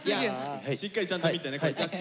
しっかりちゃんと見てねジャッジ。